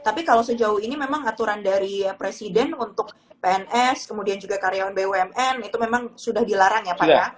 tapi kalau sejauh ini memang aturan dari presiden untuk pns kemudian juga karyawan bumn itu memang sudah dilarang ya pak ya